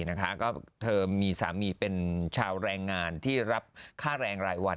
จะมีสามีเป็นชาวรางงานที่รับค่าแรงหลายวัน